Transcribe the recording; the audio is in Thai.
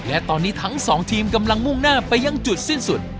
และตอนนี้ทั้งสองทีมกำลังมุ่งหน้าไปยังจุดสิ้นสุด